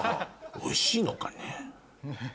おいしいのかね。